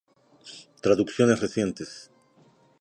Traducciones Recientes